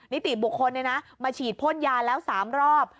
นิติบุคคลเนี่ยนะมาฉีดพ่นยาแล้ว๓รอบ